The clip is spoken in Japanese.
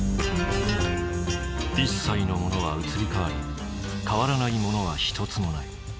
一切のものは移り変わり変わらないものは一つもない。